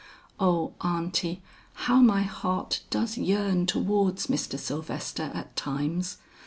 "O Aunty, how my heart does yearn towards Mr. Sylvester at times!